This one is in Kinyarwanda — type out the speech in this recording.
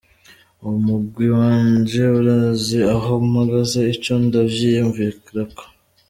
"Umugwi wanje urazi aho mpagaze, ico ndavyiyumvirako.